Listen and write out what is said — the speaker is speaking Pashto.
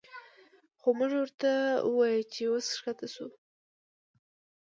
خو مونږ ورته ووې چې وس ښکته وڅښو